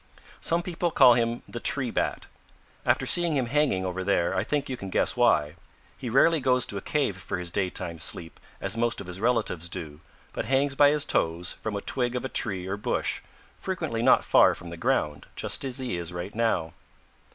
"Some people call him the Tree Bat. After seeing him hanging over there I think you can guess why. He rarely goes to a cave for his daytime sleep, as most of his relatives do, but hangs by his toes from a twig of a tree or bush, frequently not far from the ground, just as he is right now.